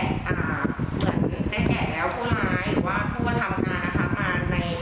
ทุกเพจของเสียชัดนะคะที่ได้แจ้งความไปสั่งที่เพจ